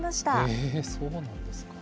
えー、そうなんですか。